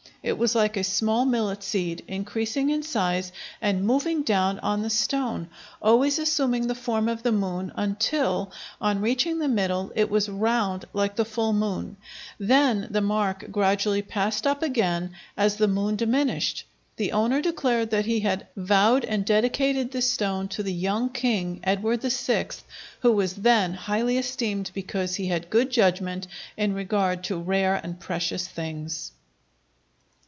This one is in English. It was like a small millet seed, increasing in size and moving down on the stone, always assuming the form of the moon until, on reaching the middle, it was round like the full moon; then the mark gradually passed up again as the moon diminished. The owner declared that he had "vowed and dedicated this stone to the young king [Edward VI], who was then highly esteemed because he had good judgment in regard to rare and precious things."